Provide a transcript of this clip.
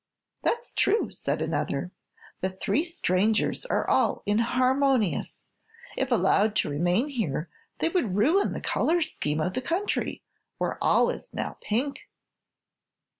"That's true," said another; "the three strangers are all inharmonious. If allowed to remain here they would ruin the color scheme of the country, where all is now pink."